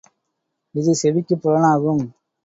இது செவிக்குப் புலனாகும்.